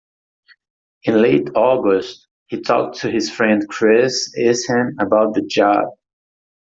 In late August, he talked to his friend Chris Isham about the job.